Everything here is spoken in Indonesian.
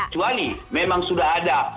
kecuali memang sudah ada